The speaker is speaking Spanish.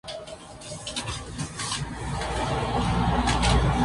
Con sus naves llenas de adinerados nobles logró llevarlos a Marsella sanos y salvos.